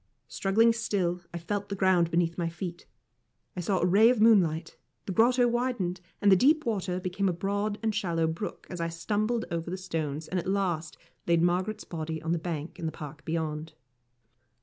Struggling still, I felt the ground beneath my feet, I saw a ray of moonlight the grotto widened, and the deep water became a broad and shallow brook as I stumbled over the stones and at last laid Margaret's body on the bank in the park beyond.